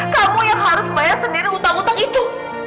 kamu yang harus bayar sendiri hutang hutang itu